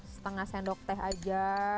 setengah sendok teh aja